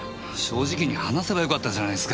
正直に話せばよかったじゃないですか。